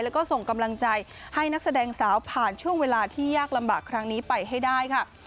แล้วก็ส่งกำลังใจให้นักแสดงสาวผ่านช่วงเวลาที่ยากลำบากครั้งนี้ไปให้ได้ค่ะ